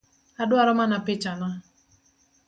Adwaro mana picha na